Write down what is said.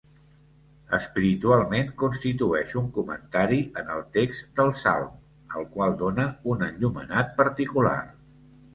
Espiritualment, constitueix un comentari en el text del salm, al qual dóna un enllumenat particular.